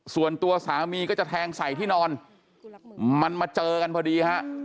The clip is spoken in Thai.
ส่วนตัวสามีก็จะแทงใส่ที่นอนมันมาเจอกันพอดีฮะ